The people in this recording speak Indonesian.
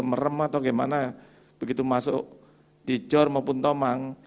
aduh merem atau gimana begitu masuk di jor maupun tomang